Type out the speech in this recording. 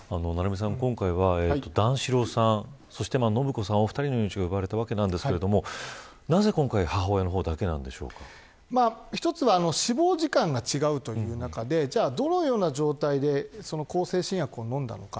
今回は段四郎さんと延子さんのお二人の命が奪われたわけですがなぜ今回一つは死亡時間が違うという中でどのような状況で向精神薬を飲んだのか。